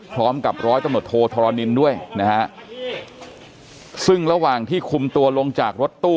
พร้อมกับร้อยตำรวจโทธรณินด้วยนะฮะซึ่งระหว่างที่คุมตัวลงจากรถตู้